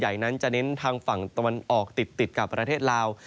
นั้นจะเน้นทางฝั่งตะวันออกติดกับประเทศลาว